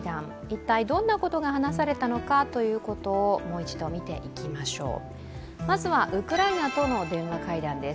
一体どんなことが話されたのかということをもう一度見ていきましょう。